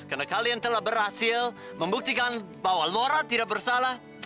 karena kalian telah berhasil membuktikan bahwa lora tidak bersalah